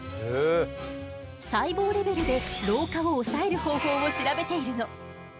細胞レベルで老化を抑える方法を調べているの。